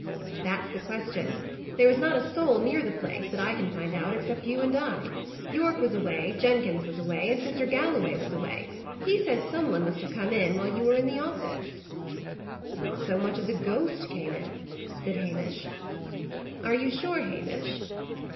"That's the question. There was not a soul near the place, that I can find out, except you and I. Yorke was away, Jenkins was away, and Mr. Galloway was away. He says some one must have come in while you were in the office." "Not so much as a ghost came in," said Hamish. "Are you sure, Hamish?"